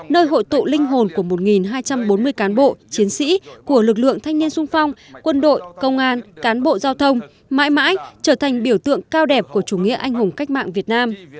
nơi hội tụ linh hồn của một hai trăm bốn mươi cán bộ chiến sĩ của lực lượng thanh niên sung phong quân đội công an cán bộ giao thông mãi mãi trở thành biểu tượng cao đẹp của chủ nghĩa anh hùng cách mạng việt nam